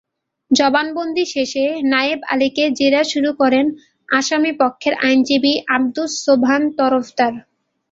জবানবন্দি শেষে নায়েব আলীকে জেরা শুরু করেন আসামিপক্ষের আইনজীবী আবদুস সোবহান তরফদার।